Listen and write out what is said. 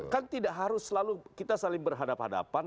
kan tidak harus selalu kita saling berhadapan hadapan